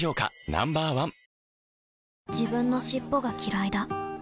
ＮＯ．１自分の尻尾がきらいだ